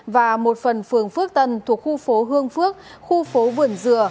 và một phần phường phước tân thuộc khu phố hương phước khu phố vườn dừa